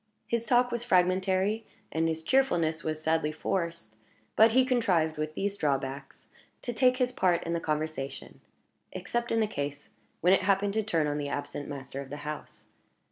His talk was fragmentary, and his cheerfulness was sadly forced; but he contrived, with these drawbacks, to take his part in the conversation except in the case when it happened to turn on the absent master of the house.